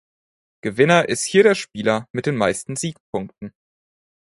Gewinner ist hier der Spieler mit den meisten Siegpunkten.